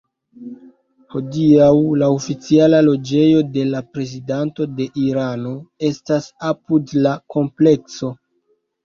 Hodiaŭ, la oficiala loĝejo de la Prezidanto de Irano estas apud la komplekso.